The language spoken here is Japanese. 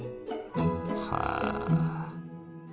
はあ。